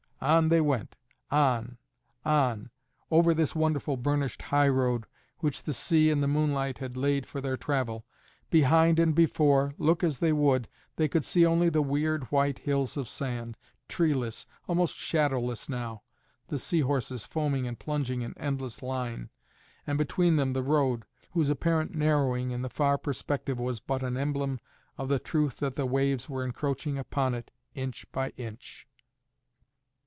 On they went on, on, over this wonderful burnished highroad which the sea and the moonlight had laid for their travel. Behind and before, look as they would, they could see only the weird white hills of sand, treeless, almost shadowless now, the seahorses foaming and plunging in endless line, and between them the road, whose apparent narrowing in the far perspective was but an emblem of the truth that the waves were encroaching upon it inch by inch.